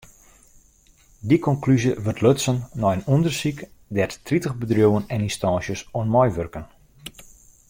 Dy konklúzje wurdt lutsen nei in ûndersyk dêr't tritich bedriuwen en ynstânsjes oan meiwurken.